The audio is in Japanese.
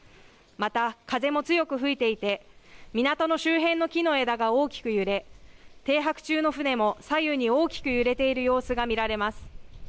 また、風も強く吹いていて港の周辺の木の枝が大きく揺れ停泊中の船も左右に大きく揺れている様子が見られます。